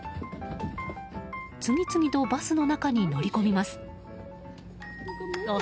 次々とバスの中に乗り込みます。